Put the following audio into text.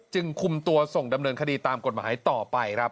จึงคุมตัวส่งดำเนินคดีตามกฎหมายต่อไปครับ